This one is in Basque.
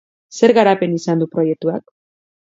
Zer garapen izan du proiektuak?